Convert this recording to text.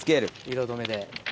色止めで。